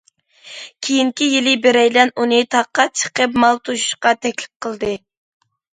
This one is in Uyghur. كېيىنكى يىلى بىرەيلەن ئۇنى تاغقا چىقىپ مال توشۇشقا تەكلىپ قىلدى.